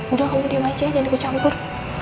udah kamu di wc jadi gue campur